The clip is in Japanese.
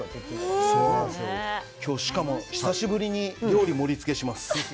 しかも久しぶりに料理の盛りつけをします。